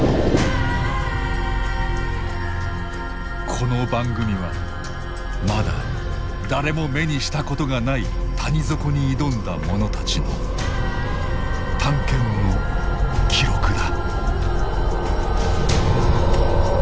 この番組はまだ誰も目にしたことがない谷底に挑んだ者たちの探検の記録だ。